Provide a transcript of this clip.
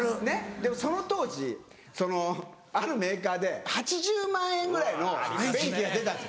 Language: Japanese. でもその当時あるメーカーで８０万円ぐらいの便器が出たんです。